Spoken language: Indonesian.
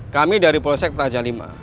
kami dari prosek raja lima